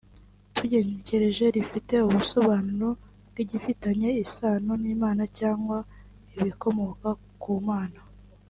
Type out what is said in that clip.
tugenekereje rifite ubusobanuro bw’ibifitanye isano n’Imana cyangwa ibikomoka ku Mana